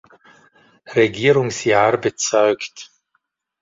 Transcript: Regierungsjahr bezeugt.